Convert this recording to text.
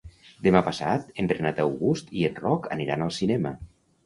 Demà passat en Renat August i en Roc aniran al cinema.